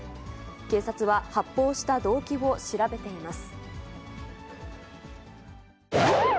警察は、発砲した動機を調べています。